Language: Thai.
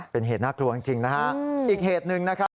เป็นเหตุน่ากลัวจริงนะฮะอีกเหตุหนึ่งนะครับ